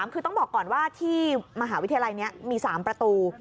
คือต้องบอกก่อนว่าที่มหาวิทยาลัยนี้มี๓ประตู